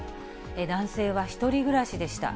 男性は１人暮らしでした。